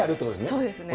そうですね。